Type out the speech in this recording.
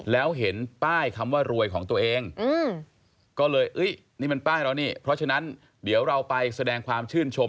แล้วเห็นป้ายคำว่ารวยของตัวเองก็เลยนี่มันป้ายเรานี่เพราะฉะนั้นเดี๋ยวเราไปแสดงความชื่นชม